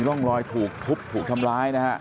ร่องรอยถูกทุบถูกทำร้ายนะฮะ